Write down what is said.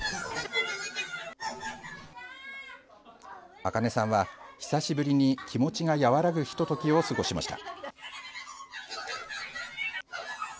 あかねさんは、久しぶりに気持ちが和らぐひと時を過ごしました。